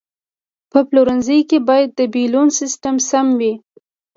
په پلورنځي کې باید د بیلونو سیستم سم وي.